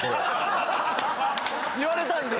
言われたんで。